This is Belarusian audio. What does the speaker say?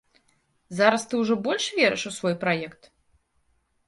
Зараз ты ўжо больш верыш у свой праект?